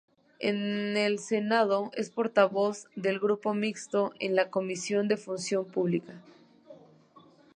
En el Senado, es portavoz del Grupo Mixto en la Comisión de Función Pública.